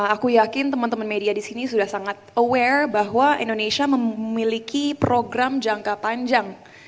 aku yakin teman teman media di sini sudah sangat aware bahwa indonesia memiliki program jangka panjang